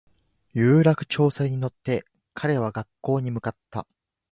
有楽町線に乗って彼は学校に向かった